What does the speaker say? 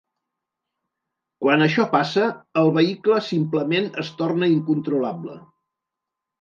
Quan això passa, el vehicle simplement es torna incontrolable.